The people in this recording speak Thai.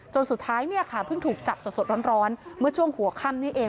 สุดท้ายเนี่ยค่ะเพิ่งถูกจับสดร้อนเมื่อช่วงหัวค่ำนี้เอง